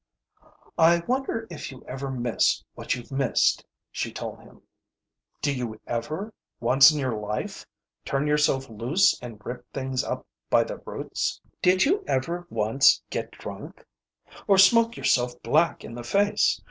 "I wonder if you ever miss what you've missed," she told him. "Did you ever, once in your life, turn yourself loose and rip things up by the roots? Did you ever once get drunk? Or smoke yourself black in the face?